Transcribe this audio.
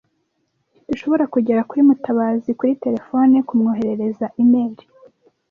Ntidushobora kugera kuri Mutabazi kuri terefone, kumwoherereza imeri.